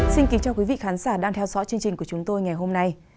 xin kính chào quý vị khán giả đang theo dõi chương trình của chúng tôi ngày hôm nay